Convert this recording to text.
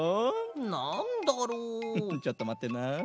フフちょっとまってな。